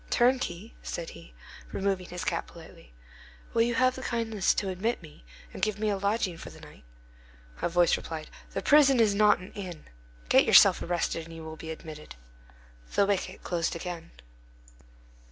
"Turnkey," said he, removing his cap politely, "will you have the kindness to admit me, and give me a lodging for the night?" A voice replied:— "The prison is not an inn. Get yourself arrested, and you will be admitted." The wicket closed again.